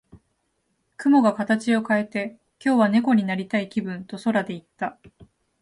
雲が形を変えて、「今日は猫になりたい気分」と空で言った。